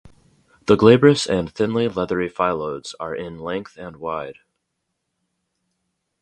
The glabrous and thinly leathery phyllodes are in length and wide.